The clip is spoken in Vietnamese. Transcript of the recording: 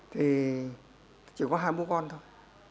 thì chỉ có hai bố con thôi